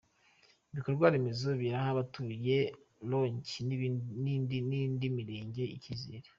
Ibikorwaremezo biraha abatuye Rongi n’indi mirenge icyizere .